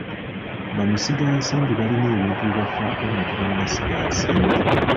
Bamusigansimbi balina ebintu bye bafaako nga tebannasiga nsimbi.